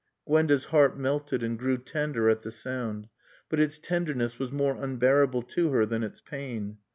Gwenda's heart melted and grew tender at the sound. But its tenderness was more unbearable to her than its pain.